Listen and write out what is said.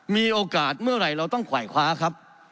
มีโอกาสเมื่อไหร่เราต้องขวายคว้าครับ